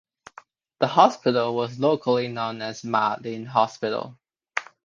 The hospital was locally known as "Ma Lin Hospital".